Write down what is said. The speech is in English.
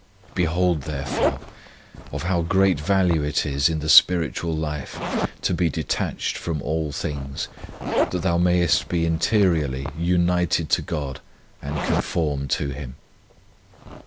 Behold, therefore, of how great value it is in the spiritual life to be detached from all things, that thou mayest be interiorly united to God and conformed to Him.